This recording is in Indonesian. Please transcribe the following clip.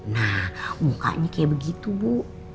nah mukanya kayak begitu bu